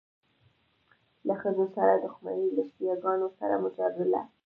له ښځو سره دښمني، له شیعه ګانو سره مجادله.